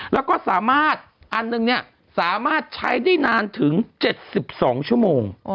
แล้วก็สามารถอันหนึ่งสามารถใช้ได้นานถึง๗๒ชั่วโมง